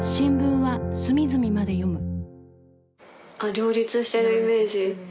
あっ両立してるイメージ？